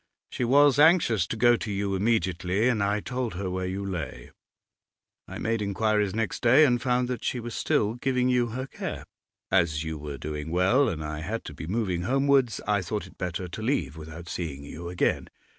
She was anxious to go to you immediately, and I told her where you lay. I made inquiries next day, and found that she was still giving you her care. As you were doing well, and I had to be moving homewards, I thought it better to leave without seeing you again.